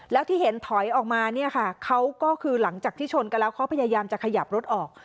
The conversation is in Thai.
แล้วที่เห็นถอยออกมาเนี่ยค่ะเขาก็คือหลังจากที่ชนกันแล้วเขาพยายามจะขยับรถออก